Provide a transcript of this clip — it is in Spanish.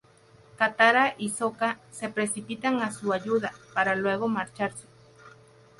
Katara y Sokka se precipitan a su ayuda, para luego marcharse.